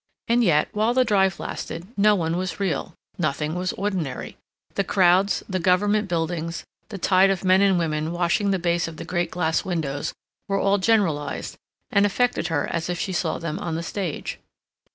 And yet, while the drive lasted no one was real, nothing was ordinary; the crowds, the Government buildings, the tide of men and women washing the base of the great glass windows, were all generalized, and affected her as if she saw them on the stage.